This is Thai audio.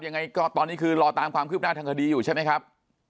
ยังไงก็ตอนนี้คือรอตามความคืบหน้าทางคดีอยู่ใช่ไหมครับ